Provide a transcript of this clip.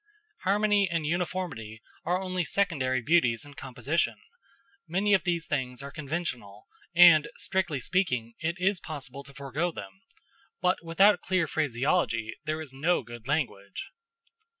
Harmony and uniformity are only secondary beauties in composition; many of these things are conventional, and, strictly speaking, it is possible to forego them; but without clear phraseology there is no good language.